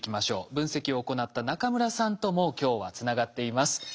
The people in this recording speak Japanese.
分析を行った中村さんとも今日はつながっています。